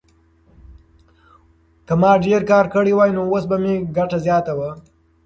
که ما ډېر کار کړی وای نو اوس به مې ګټه زیاته وه.